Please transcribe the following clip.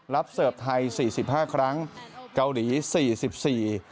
รับเสิร์ฟไทย๔๕ครั้งเกาหลี๔๔